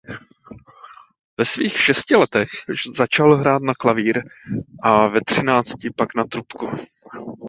Ve svých šesti letech začal hrát na klavír a ve třinácti pak na trubku.